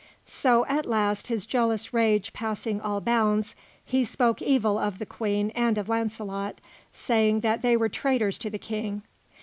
So, at last, his jealous rage passing all bounds, he spoke evil of the Queen and of Launcelot, saying that they were traitors to the King.